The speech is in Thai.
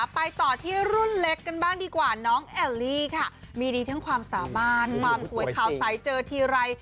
ไปต่อที่รุ่นเล็กกันบ้างดีกว่าน้องแอลลี่ค่ะมีดีทั้งความสามารถความสวยข่าวใสเจอทีไร